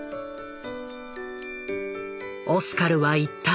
オスカルは言った。